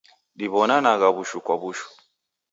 Diw'onanagha w'ushu kwa w'ushu.